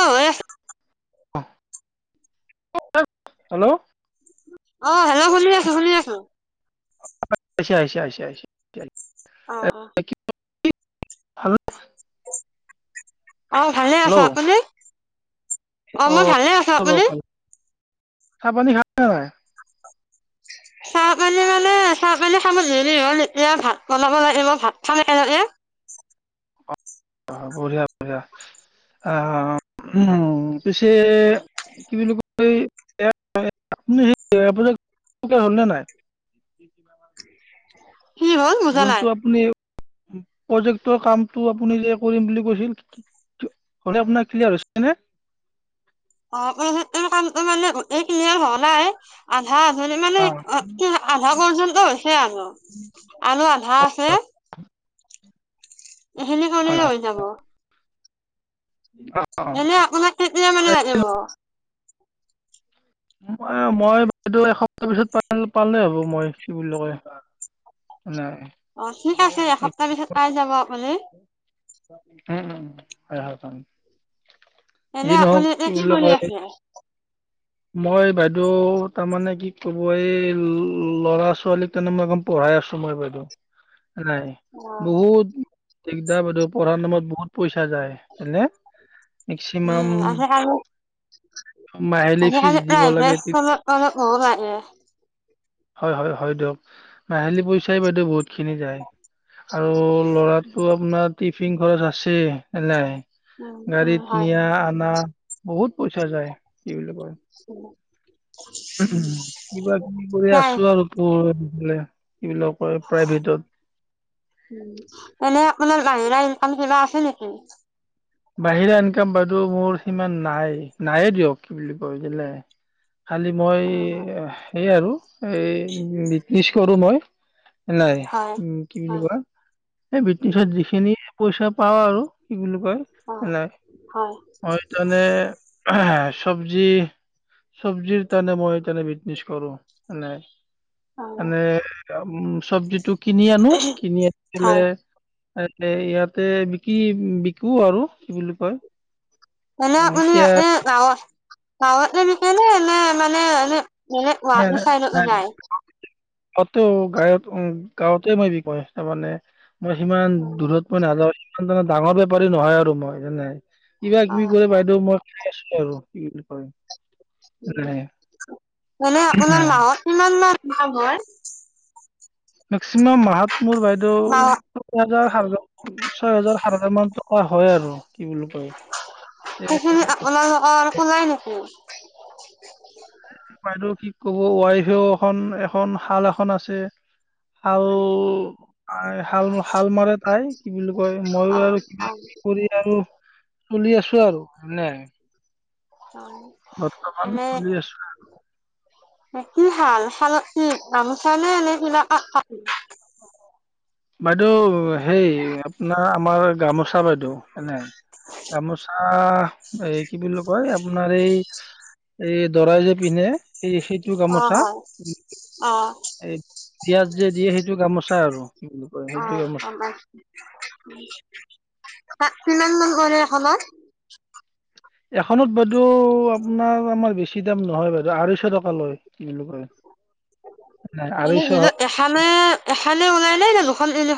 অ হৈ আছে হেল্ল' অ হেল্ল' শুনি আছো শুনি আছো। আ আহিছে আহিছে আহিছে এতিয়া আহিছে। অ অ হেল্ল' অ ভালে হেল্ল' আছা তুমি অ মই অঁ ভালে আছো আপুনি? ভাল চাহ পানী খাই ন নাই চাহ পানি মানে চাহ পানী খাব দেৰি হ'ল এতিয়া ভাত বনাব লাগে মই ভাত খাম এনেকে। অ বঢ়িয়া বঢিয়া আহ পিছে কি বুলি কয় আপুনি হলনে নাই [unintelligible] বুজা নাই যোনটো আপুনি প্ৰজেক্টৰ কামটো আপুনি যে কৰিম বুলি কৈছিল হলে আপোনাৰ ক্লিয়াৰ হৈছেনে অ কাম মানে এই কিনি হ নাই অ আধা আধন মানে অঁ আধা পৰ্যন্ত হৈছে আৰু আলু আ মা আছে? [inaudible] সেনে কাৰলেে হয় হৈ যাব হয় এনেই আপোনাক কেইদিনা মানে লাগিব ম মই বাইদেউ এসপ্তাহ পিছত প পালে হ'ব মই কি বুলি কয় অ ঠিক আছে মানে এসপ্তাহ পিছত পাই যাব আপুনি উম উম হয় চাম এনে আপুনি এতিয়া কি কৰি আছে। মই বাইদেউ তাৰমানে কি ক'ব এই ল'ৰা ছোৱালীক তাৰে মই একদম পঢ়াই আছো মই বাইদেউ নাই অ বহুত দিগদাৰদউ পঢ়াৰ নামত বহুত মে্সিমাম উম আজিকালি মাহ প্ৰাইভে খনত মানে বহুত লাগে। হয় হয় হয় দিয়ক মাহেলী পইচাই বাইদেউ বহুত খিনি যায় আৰু ল'ৰাটো আপোনাৰ টিফিন খৰচ আছে এ নাই উম, উম, গাড়ীত হয়। নিয়া আনা বহুত পইচা যায় কি বুলি কয় উম উ কিবা কিবি কৰি নাই, আছো আৰু তোৰ হ এনে আপোনাৰ বাহিৰা [unintelligible] পিলা আছে নেকি বাহিৰা ইনকাম বাইেউ মোৰ সিমান নাই নায়ে দিয়ক কি বুলি কয় বে খালি মই অ', সেই আৰু এই ইচ কৰো মই নাই হয়। উম কি বুলি হয়, কোৱা এই উম, বিটিছত যিখিনি পইচা পাওঁ আৰু কি বুলি কয় অ', নাই হয় তানে চব্জি চব্জিৰ তানে মই তনে বিত- নিছ কৰো নাই অ', আনে উম চব্জিটো কিনি আনো কিনি আনি হয়। পেলাই এ ইয়াতে ইয়াতে বিকি বিকো আৰু। কি বুলি কয় এনে উম, আপনি ই এতিয়া গৱ তা আগতে বিষাই নে নে মানে এনে মানে ৱান চাইডত বিষাই গৱতে গাঁৱত উ গাঁৱতে মই বিক কৰাচে মানে মই সিমান অ', দূৰত মই নাযাওঁ ইমান ডাঙ ডাঙৰ বেপাৰী নহয় আৰু মই যেনে কিবা কিবি কৰে অ', বাইদেউ মই খাই আছো। আৰু ইল কৰে উম মানে আপোনাৰ মাহত কিমান কিমান ভাল হয় মেক্সিমাম মাহত মোৰ বাইদেউ মাহত ছয় হাজাৰ ছয় হাজাৰ সাত হাজাৰ মান টকা হয় আৰু কি বুলি কয় সেইখিনি এ আপোনালোকৰ ওলাই নেকি? বাইদেউ কি ক'ব ৱাইফেও এখন এখ এখন শাল এখন আছে। আৰুউ হাল হাল মাৰে তাই কি বুলি কয় মইয়ো অ', আৰু কিবা অ', কিবি কৰি আৰু চলি আছো আৰু [unintelligible] অ বৰ্তমান মানে চলি আছো এ কি শাল শালত কি গামোচা নে এনে কিবা [unintelligible] [inaudible] বাইদেউ হেই আপোনাৰ আমাৰ গামোচা বাইদেউ সনে গামোচা এই কি বুলি কয় আপোনাৰ এই এই দৰাই যে পিন্ধে সেই সেইটো অ গামোচা হয় অ। এই বিয়াত যে দিয়ে সেইটো গামোচা আৰু কি বুলি কয় অ সেইটো গামোচা গম পাইছো তাত কিমান মান কৰে এখনত এখনত বাইদেউ আপোনাৰ আমাৰ বেছি দাম নহয় বাইদেউ আঢ়ৈশ টকা লয়। কি বুলি কয় নাই, মানে আঢ়ৈশ নিজ এখনে এখনে ওলয় নে দু- কল এিল [unintelligible]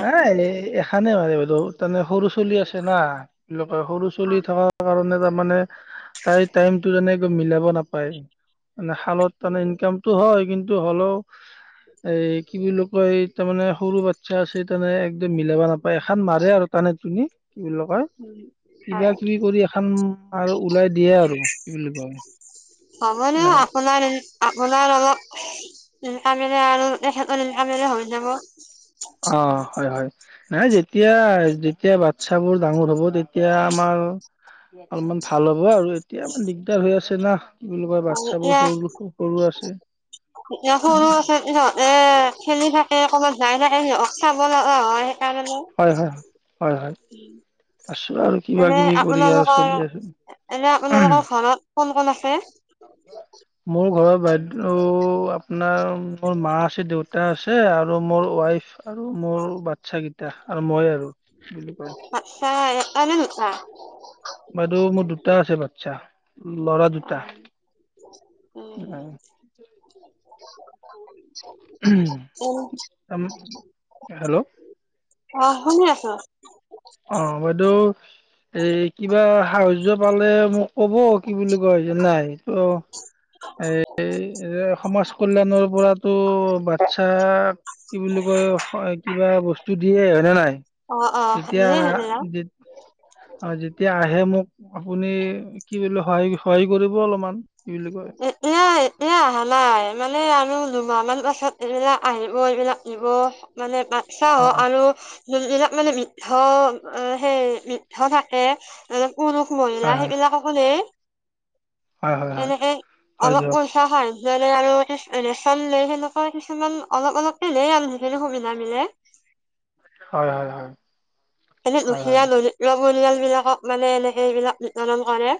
নাই এনে এখ- খানে [unintelligible] তানে মানে সৰু চলি আছে না সৰু চুলি হয় থকা কাৰণে বাপ মানে তাই টাইমটো তেনেকৈ মিলাব নাপায় মানে শালত মানে ইনকামটো হয় কিন্তু টো হ'লেও এই কি বুলি কয় তাৰমানে সৰু বা- চ্ছা আছে তেনে একদিন মিলাব লাগব এখন মাৰে আৰু টানে টুনি কি বুলি ক কয় কিবা কিবি কৰি এখন আৰু ওলাই দিয়ে আৰু কি বুলি কয় হ'ব দিয়ক নাই আপোনাৰ আপোনাৰ অলপ ইনকামে আৰু তেখেতৰ ইনকামে হৈ যাব। অ হয় হয় নাই যেতিয়া যেতিয়া বাচ্ছাবোৰ ডাঙৰ হ'ব তেত- তিয়া আমাৰ অলপমান ভাল হ'ব আৰু এতিয়া ইমান দিগদাৰ হৈ আছে। তেনা আৰু এতিয়া এতিয়া সৰু আছে সিহঁতে খেলি থাকে অকণমান জাই থাকে সি চাব লগা হয় তাৰ মানে হয় হয় হয় হয় আছো আৰু কিবা কিবি কৰি আৰু চলি আছো। এনে আপোনালোকৰ ঘৰত কোন কোন আছে মোৰ ঘৰত বাইদেউ আপোনাৰ মোৰ মা আছে, দেউতা আছে আৰু মোৰ ৱাইফ আৰু মোৰ বাচ্ছা কেইটা এতিয়া আৰু মই আৰু উ বাইদেউ মোৰ দুটা আছে বাচ্ছা। ল'ৰা অ দুটা উম [inaudible] উম হেল্ল' অ শুনি আছো অ বাইদেউ গ'লে মোক ক'ব কি বুলি কোৱা যে নাই ক এ সমাজ কল্যাণৰ পৰাতো বাচ্ছা কি বুলি কয় কিবা বস্তু দিয়ে। হয়নে নাই? অ অ এতিয়া যেত- আৰু যেতিয়া আহে মোক আপুনি কি বুলি সহায় সহায় কৰিব অলপমান কি বুলি কয় এ এয় এয়া অহা নাই মানে আমি দুমাহমান পাছত এইবিলাক আহিব এইবিলাক নিব মানে তাত চাহ অ অ আৰু এই বিলাক মানে বৃদ্ধ সেই বৃদ্ধ থাকে এইবিলাক পুৰুষ মহিলা হয় হয় সেইবিলাককো নিয়ে। হয় হয় হয় এনেকে হয় অলপ দিয়ক পইচা হয় যেনে আৰু ৰেচন লে সেনেকুৱা কিছুমান অলপ অলপে লে আৰু যিখিনি সুবিধা মিলে হয় হয় হয় এনে হয় দুখীয়া হয় দৰিদ্ৰ পৰিয়াল বিলাকক মানে এনেকে এইবিলাক নিৰ্ধাৰণ কৰে।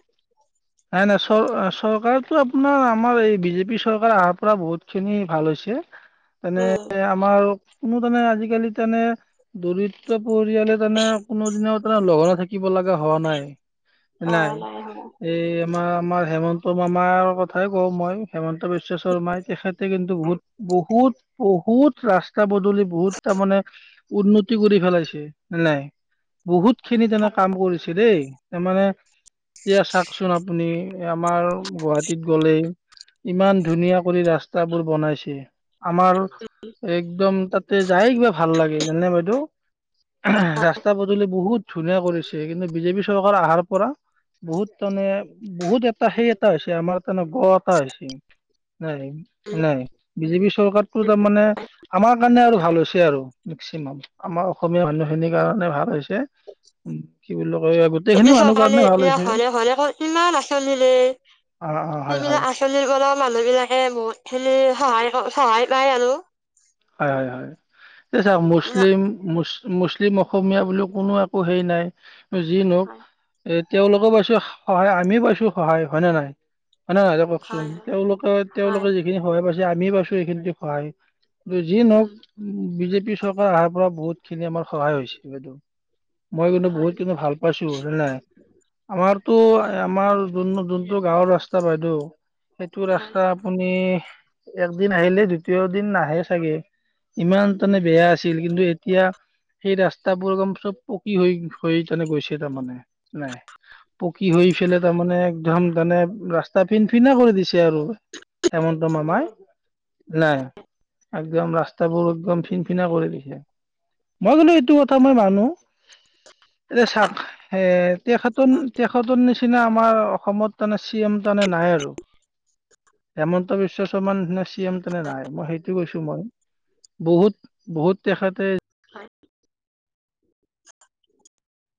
নাই নাই চৰ চৰকাৰেটো আপোনাৰ আমাৰ এই বিজেপি চৰকাৰ অহাৰ পৰা বহুত খিনি ভাল হৈছে। তেনে উম আমাৰ কোনো তানে আজিকালি তানে দৰিদ্ৰ- পৰিয়ালে তেনে কোনো দিনত লঘোনে থাকিব লগা হোৱা নাই। অ নাই হয় এই আমাৰ আমাৰ হেমন্ত মামাৰ কথাই কওঁ মই হেমন্ত বিশ্ব শৰ্মাই তেখেত কিন্তু বহুত বহুত বহুত ৰাস্তা বদলি বহুত তাৰমানে উন্নতি কৰি পেলাইছে নে নাই বহুত খিনি তাৰমানে কাম কৰিছে দেই তাৰমানে এয়া চাক- চোন আপুনি আমাৰ গুৱাহাটীত গলে ইমান ধুনীয়া কৰি ৰাস্তাবোৰ বনাইছে আমাৰ একদম তাতে যায় কিবা ভাল লাগে জানে বাইদেউ ৰাস্তা ব'দলি বহুত ধুনীয়া কৰিছে কিন্তু বিজেপি চৰকাৰ আহাৰ পৰা বহুত তেনে বহুত এটা সেই এটা হৈছে আমাৰ কাৰানে ব এটা হৈছে নাই নাই বিজিপে চ চৰকাৰটো তাৰমানানে আমাৰ কাৰণে আৰু ভাল হৈছে আৰু মেক্সিমাম আমাৰ অসমীয়া মানুহখিনিৰ কাৰণে ভাল হৈছে। উম কি বুলি কয় ই গোটেইখিনি মানুহ চৰকাৰী কাৰণে ভাল এতিয়া হৈছে। ঘৰে ঘৰে ক কিমান আঁচনি দিলে অ অ হয় হয় সেইবিলাক আঁচনিৰ পৰাও মানুহবিলাকে বহুত এনে সহায় সহায় পাই আৰু হয় হয় হয় এই চাও মুছলিম মুচ মুছলিম অসমীয়া বুলিও কোনো একো হেই নাই যি নহক হয় এ তেওঁলোকো পাইছে সহায়। আমিও পাইছো সহায়। হয়নে নে নহয়? হয় না কওকচোন হয় হয় তেওঁলোকে তেওঁলোকে হয় যিখিনি সহায় পাইছে যে আমি পাইছো এইখিন তে সহায় যি কি নওক উম বিজেপি চৰকাৰ আহাৰ পৰা বহুত খিনি আমাৰ সহায় হৈছে বাইদেউ মই কিন্তু বহুত হয় কিবা ভাল পাইছো হয় নাই আমাৰতো উম আমাৰ যোন যোনটো গাঁৱৰ ৰাস্তা বাইদেউ সেইটো হয় ৰাস্তা আপুনি একদিন আহিলে দ্বিতীয় দিন নাহে চাগে ইমান তানে বেয়া আছিল কিন্তু এতিয়া সেই ৰাস্তাবোৰ একদম চব পকী হৈ হৈ তানে গৈছে তাৰমানে নাই পকী হৈ পেললে তাৰমানে একদম তানে ৰাস্তা ফিনফিনা কৰি দিছে। এতিয়া আৰু হেমন্ত মামাই নাই। একদম ৰাস্তাবোৰ একদম ফিন ফিনা কৰি দিছে। মই মানে এইটো কথা মই মানু এ চাক এ তেখতন তেখতৰ নিচ নিচিনা আমাৰ অসমত তানে চি এম মানে নাই আৰু হেমন্ত বিশ্ব শৰ্মাৰ নিচিনা তি এম তেনে নাই মই সেইত- বহুত বহুত [unintelligible] [inaudible]